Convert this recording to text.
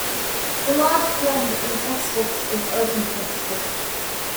The latest trend in textbooks is open textbooks.